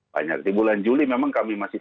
banyak di bulan juli memang kami masih